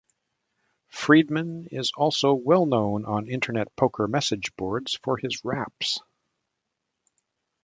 Friedman is also well known on internet poker message boards for his raps.